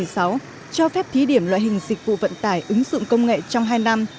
năm hai nghìn một mươi sáu cho phép thí điểm loại hình dịch vụ vận tải ứng dụng công nghệ trong hai năm